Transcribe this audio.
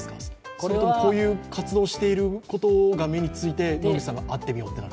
それとも、こういう活動をしていることが目について野口さんが会ってみたいと？